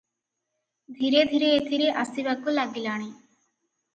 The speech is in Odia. ଧୀରେ ଧୀରେ ଏଥିରେ ଆସିବାକୁ ଲାଗିଲାଣି ।